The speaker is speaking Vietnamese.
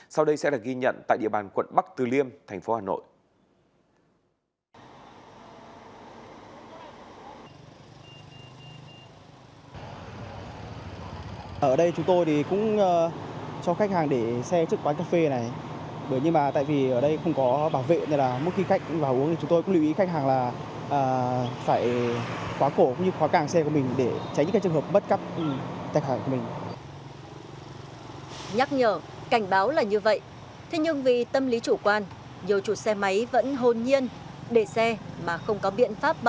sau đây sẽ được ghi nhận tại địa bàn quận bắc từ liêm thành phố hà nội